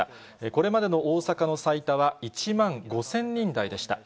これまでの大阪の最多は１万５０００人台でした。